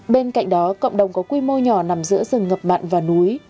bên cạnh đó cộng đồng có quy mô nhỏ nằm giữa rừng ngập mặn và núi